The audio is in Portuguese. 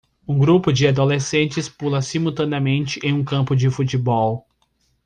Um grupo de adolescentes pula simultaneamente em um campo de futebol.